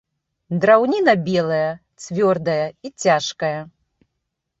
Драўніна белая, цвёрдая і цяжкая.